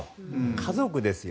家族ですよ。